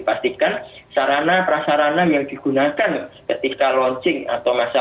nah ini kan prasarannya juga kompleks sistem persinyalan operasi